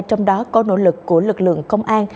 trong đó có nỗ lực của lực lượng công an